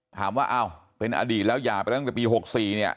ถามว่าอ้าวเป็นอดีตแล้วหย่าไปตั้งแต่ปี๖๔เนี่ย